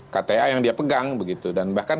kta yang dia pegang begitu dan bahkan